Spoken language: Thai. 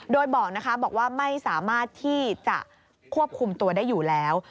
โดยบอกนะคะบอกว่าไม่สามารถที่จะควบคุมตัวได้อยู่แล้ว